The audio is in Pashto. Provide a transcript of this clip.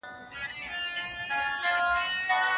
هغه به په خپلو کارونو کي بريالی سي.